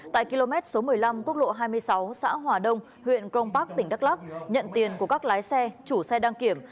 tại km số một mươi năm quốc lộ hai mươi sáu xã hòa đông huyện crong park tỉnh đắk lắc nhận tiền của các lái xe chủ xe đăng kiểm